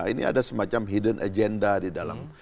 ini ada semacam hidden agenda di dalam